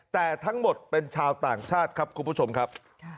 แต่ทั้งหมดเป็นชาวต่างชาติครับคุณผู้ชมครับ